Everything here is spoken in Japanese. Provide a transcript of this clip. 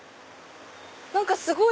何かすごい！